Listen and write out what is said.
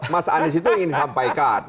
mas anies itu ingin sampaikan